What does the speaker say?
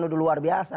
udah luar biasa